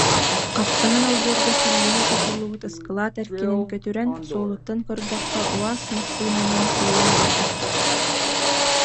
Хаптаһын олбуорга силлиһэ тутуллубут ыскылаат эркинин көтүрэн, суолуттан көрдөххө «УАÇ» массыынанан тиэйэн барбыттар